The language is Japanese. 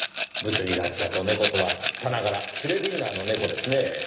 物理学者と猫とはさながらシュレディンガーの猫ですねぇ。